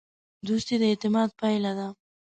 دوستي د اعتماد پایله ده.